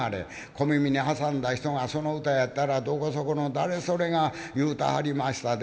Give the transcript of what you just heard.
小耳に挟んだ人が『その歌やったらどこそこの誰それが言うたはりましたで』。